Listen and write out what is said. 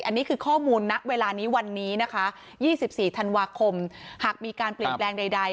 อันนี้คือข้อมูลนะเวลานี้วันนี้นะคะยี่สิบสี่ธันวาคมหากมีการปลิดแกรงใดใด